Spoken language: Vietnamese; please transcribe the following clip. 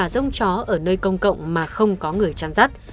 rông chó ở nơi công cộng mà không có người chăn rắt